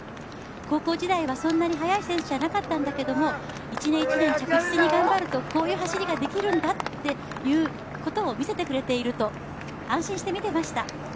高校時代はそんなに速い選手じゃなかったんだけども１年１年、着実に頑張るとこういう走りができるんだということを見せてくれていると安心して見ていました。